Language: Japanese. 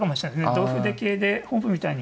同歩で桂で本譜みたいに。